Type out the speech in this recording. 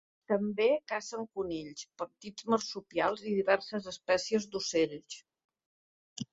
També cacen conills, petits marsupials i diverses espècies d'ocells.